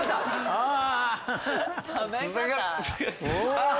ああ。